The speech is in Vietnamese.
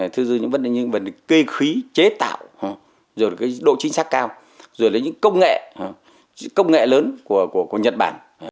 thứ dư những vấn đề như vấn đề cây khí chế tạo rồi cái độ chính xác cao rồi là những công nghệ công nghệ lớn của nhật bản